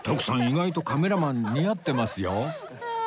意外とカメラマン似合ってますよ